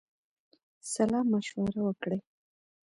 سلامشوره وکړی.